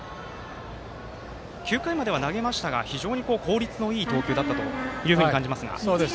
９回までは投げましたが非常に効率のいい投球だという印象がありますが。